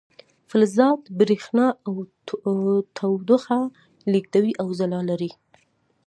فلزات بریښنا او تودوخه لیږدوي او ځلا لري.